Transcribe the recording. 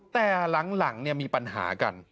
แต่หลังเนี่ยมีปัญหากัน